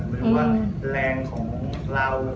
แสดงที่มีแรงของเรา